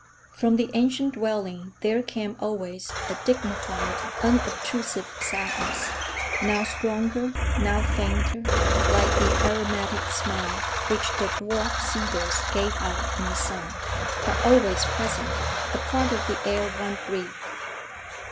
From the ancient dwelling there came always a dignified, unobtrusive sadness; now stronger, now fainter,—like the aromatic smell which the dwarf cedars gave out in the sun,—but always present, a part of the air one breathed.